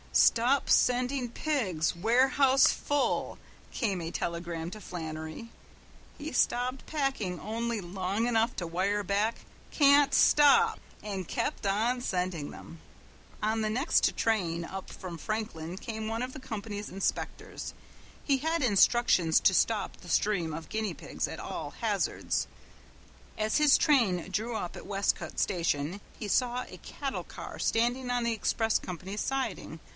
"Stop sending pigs. Warehouse full," came a telegram to Flannery. He stopped packing only long enough to wire back, "Can't stop," and kept on sending them. On the next train up from Franklin came one of the company's inspectors. He had instructions to stop the stream of guinea pigs at all hazards. As his train drew up at Westcote station he saw a cattle car standing on the express company's siding.